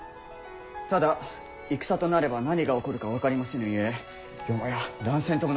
ただ戦となれば何が起こるか分かりませぬゆえよもや乱戦ともなれば。